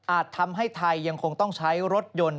ทำให้ไทยยังคงต้องใช้รถยนต์